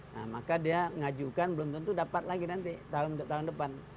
nah maka dia mengajukan belum tentu dapat lagi nanti untuk tahun depan